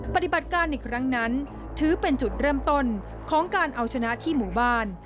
ปฏิบัติการอีกครั้งนั้นถือเป็นจุดเริ่มต้นของการเอาชนะที่หมู่บ้าน